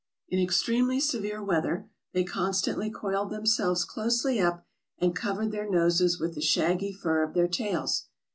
In ex tremely severe weather, they constantly coiled themselves closely up, and covered their noses with the shaggy fur of their tails.